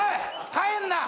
帰んな！